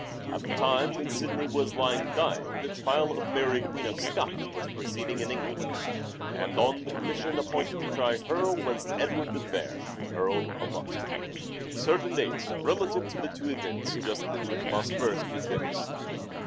At the time when Sidney was lying dying the trial of Mary Queen of Scots was proceeding in England, and on the commission appointed to try her was Edward de Vere, Earl of Oxford. Certain dates relative to the two events just mentioned must first be fixed.